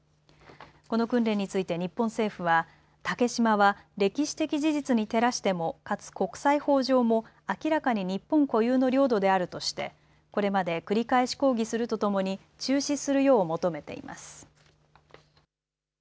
この訓練について日本政府は竹島は歴史的事実に照らしてもかつ国際法上も明らかに日本固有の領土であるとしてこれまで繰り返し抗議するとともに中止するよう求めています。